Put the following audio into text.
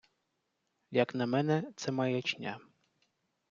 Як на мене, це маячня.